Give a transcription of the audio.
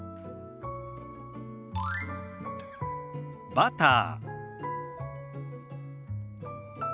「バター」。